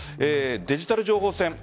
デジタル情報戦